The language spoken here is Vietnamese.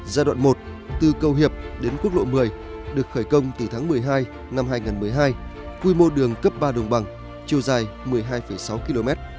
giai đoạn một từ cầu hiệp đến quốc lộ một mươi được khởi công từ tháng một mươi hai năm hai nghìn một mươi hai quy mô đường cấp ba đồng bằng chiều dài một mươi hai sáu km